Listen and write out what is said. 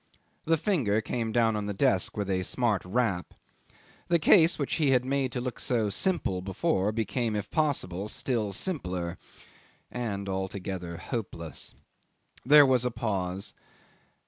The finger came down on the desk with a smart rap. The case which he had made to look so simple before became if possible still simpler and altogether hopeless. There was a pause.